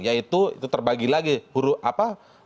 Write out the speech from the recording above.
yaitu itu terbagi lagi huruf apa